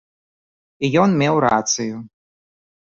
І ён меў рацыю.